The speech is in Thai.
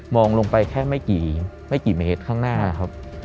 องลงไปแค่ไม่กี่เมตรข้างหน้าครับ